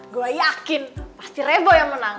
gua yakin pasti reboy yang menang